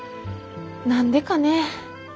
何でかねぇ。